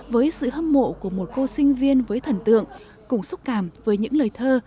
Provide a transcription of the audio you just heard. với sự hâm mộ của một cô sinh viên với thần tượng cùng xúc cảm với những lời thơ